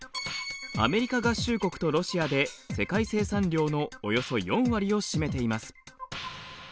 アメリカ合衆国とロシアで世界生産量のおよそ４割を占めています。